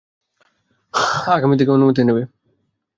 আগামী থেকে, অনুমতি নেবে!